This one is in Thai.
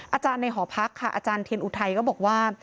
อาจารย์ในหอพักค่ะอาจารย์เทียนอุทัยก็บอกว่า